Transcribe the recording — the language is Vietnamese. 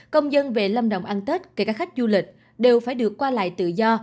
công dân về lâm đồng ăn tết kể cả khách du lịch đều phải được qua lại tự do